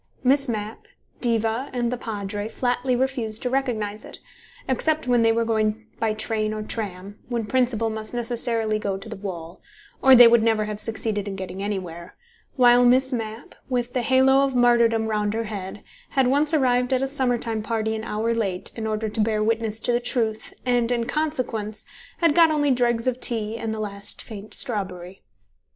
Miss Mapp, Diva and the Padre flatly refused to recognize it, except when they were going by train or tram, when principle must necessarily go to the wall, or they would never have succeeded in getting anywhere, while Miss Mapp, with the halo of martyrdom round her head, had once arrived at a summer time party an hour late, in order to bear witness to the truth, and, in consequence, had got only dregs of tea and the last faint strawberry.